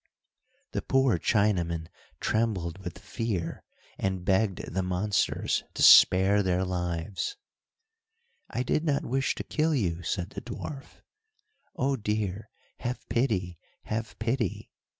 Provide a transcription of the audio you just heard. The poor Chinamen trembled with fear, and begged the monsters to spare their lives. "I did not wish to kill you," said the dwarf. "Oh, dear! have pity! have pity!